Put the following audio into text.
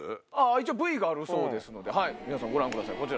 一応ＶＴＲがあるそうですので皆さんご覧ください。